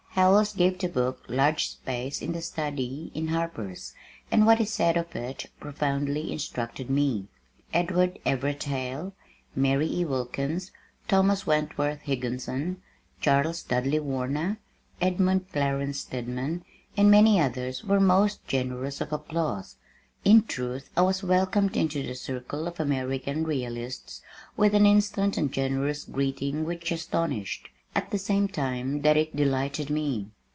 Howells gave the book large space in "The Study" in Harper's and what he said of it profoundly instructed me. Edward Everett Hale, Mary E. Wilkins, Thomas Wentworth Higginson, Charles Dudley Warner, Edmund Clarence Stedman, and many others were most generous of applause. In truth I was welcomed into the circle of American realists with an instant and generous greeting which astonished, at the same time that it delighted me.